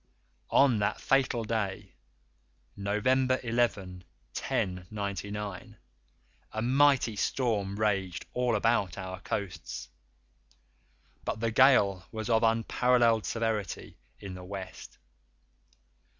_" On that fatal day, November 11, 1099, a mighty storm raged all about our coasts, but the gale was of unparalleled severity in the West.